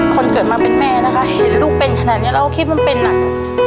คนเกิดมาเป็นแม่นะคะเห็นลูกเป็นขนาดนี้เราก็คิดมันเป็นหนัก